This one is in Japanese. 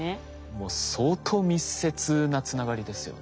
もう相当密接なつながりですよね。